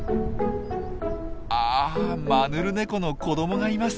あマヌルネコの子どもがいます。